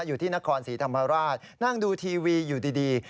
อยู่ที่นครศรีธรรมราชนั่งดูทีวีอยู่ดี